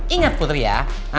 ingat putri ya